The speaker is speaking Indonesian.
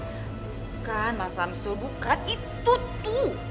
bukan mas samsul bukan itu tuh